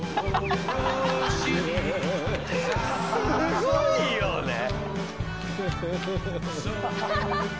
すごいよね！